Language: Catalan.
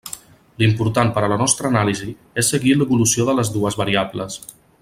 L'important per a la nostra anàlisi és seguir l'evolució de les dues variables.